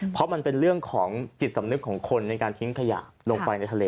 เพราะมันเป็นเรื่องของจิตสำนึกของคนในการทิ้งขยะลงไปในทะเล